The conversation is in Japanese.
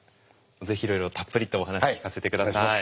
ぜひいろいろたっぷりとお話聞かせて下さい。